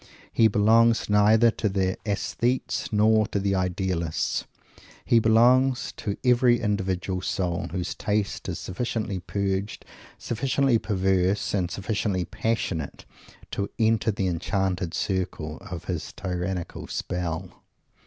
He belongs neither to the Aesthetics nor to the Idealists. He belongs to every individual soul whose taste is sufficiently purged, sufficiently perverse and sufficiently passionate, to enter the enchanted circle of his tyrannical spell.